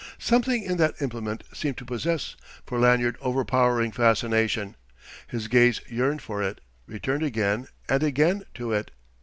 Something in that implement seemed to possess for Lanyard overpowering fascination. His gaze yearned for it, returned again and again to it.